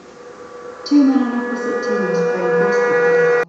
Two men on opposite teams playing basketball.